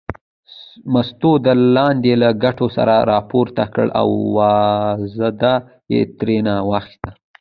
مستو د لاندې له کټوې سر راپورته کړ او وازده یې ترېنه واخیسته.